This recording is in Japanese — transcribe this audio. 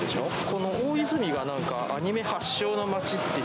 この大泉がなんか、アニメ発祥の街って。